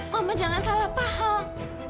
mama jangan salah paham